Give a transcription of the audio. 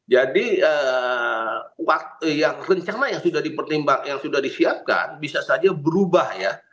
jadi rencana yang sudah dipertimbangkan yang sudah disiapkan bisa saja berubah ya